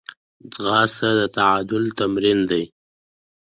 ځغاسته د تعادل تمرین دی